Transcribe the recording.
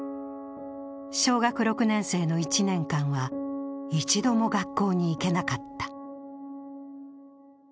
小学６年生の１年間は一度も学校に行けなかった。